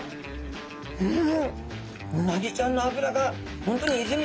うん！